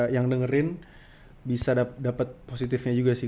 yang dengerin bisa dapat positifnya juga sih